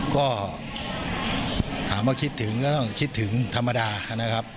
ก็ถามว่าคิดถึงก็ต้องคิดถึงธรรมดานะครับ